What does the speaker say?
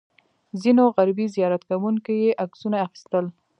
ځینو غربي زیارت کوونکو یې عکسونه اخیستل.